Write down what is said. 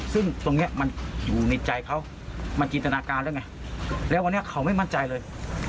ซึ่งตรงนี้มันอยู่ในใจเขามันจินตนาการแล้วไงแล้ววันนี้เขาไม่มั่นใจเลย